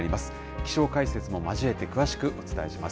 気象解説も交えて、詳しくお伝えします。